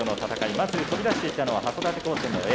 まず飛び出していったのは函館高専のＡ。